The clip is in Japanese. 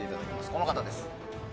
この方です。